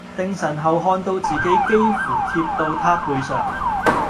定神後看到自己幾乎貼到他背上